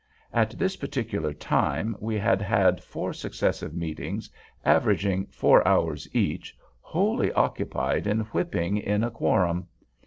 At this particular time we had had four successive meetings, averaging four hours each—wholly occupied in whipping in a quorum.